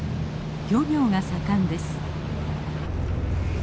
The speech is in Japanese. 漁業が盛んです。